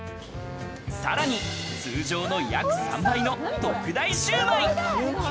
さらに通常の約３倍の特大シューマイ。